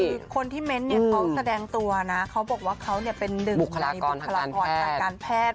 คือคนที่เม้นต์เนี่ยเขาแสดงตัวนะเขาบอกว่าเขาเป็นหนึ่งในบุคลากรทางการแพทย์